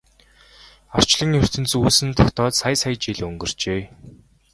Орчлон ертөнц үүсэн тогтоод сая сая жил өнгөрчээ.